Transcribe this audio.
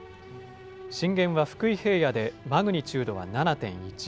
震源は福井平野でマグニチュードは７．１。